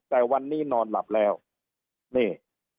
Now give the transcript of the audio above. แต่วันนี้นอนหลับแล้วนี่